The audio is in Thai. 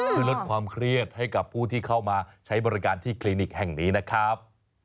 เพื่อลดความเครียดให้กับผู้ที่เข้ามาใช้บริการที่คลินิกแห่งนี้นะครับ